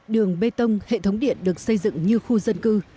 đường bê tông hệ thống điện được xây dựng như khu dân cư